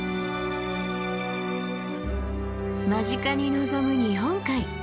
間近に望む日本海。